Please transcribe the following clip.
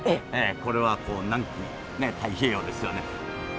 これは南紀太平洋ですよね。